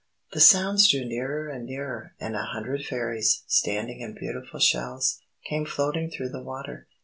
_" The sounds drew nearer and nearer, and a hundred Fairies, standing in beautiful shells, came floating through the water.